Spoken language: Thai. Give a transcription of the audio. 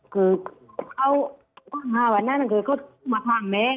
คือเขามาวันนั้นคือเขามาถามแม่